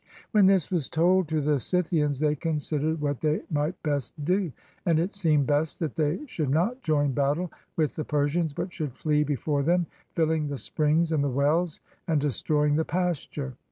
When this was told to the Scythians they considered what they might best do; and it seemed best that they should not join battle with the Persians, but should flee before them, filling the springs and the weUs, and destroying the pasture.